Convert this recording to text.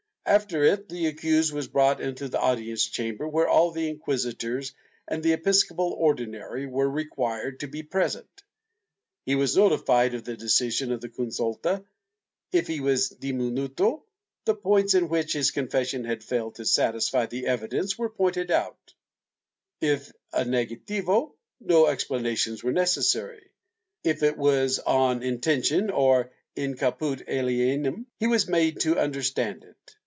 After it, the accused was brought into the audience chamber, where all the inquisitors and the episcopal Ordinary were required to be present. He was notified of the decision of the consulta; if he was a diminuto, the points in which his confession had failed to satisfy the evidence were pointed out; if a,negativo, no explana tions were necessary; if it was on intention or in caput alienum he was made to understand it.